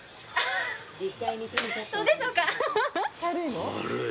どうでしょうか？